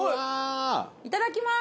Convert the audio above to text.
いただきます！